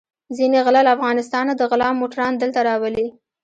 ځينې غله له افغانستانه د غلا موټران دلته راولي.